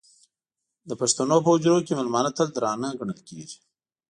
د پښتنو په حجرو کې مېلمانه تل درانه ګڼل کېږي.